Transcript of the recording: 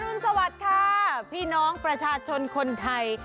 อรุณสวัสดย์ครับพี่น้องประชาชนคนไทย